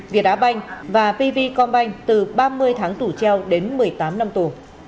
việt á banh và pv con banh từ ba mươi tháng tủ treo đến một mươi tám năm tù